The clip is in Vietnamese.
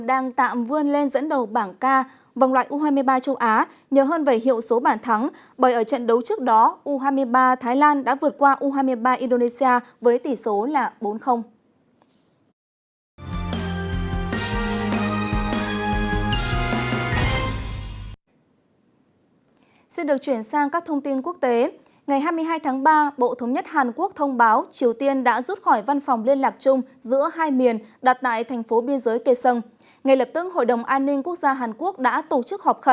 đang tạm vươn lên dẫn đầu bảng k vòng loại u hai mươi ba châu á